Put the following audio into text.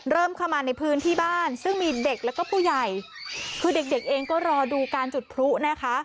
เริ่มเข้ามาในพื้นที่บ้านซึ่งมีเด็กแล้วก็ผู้ใหญ่คือเด็กเด็กเองก็รอดูการจุดพลุนะคะ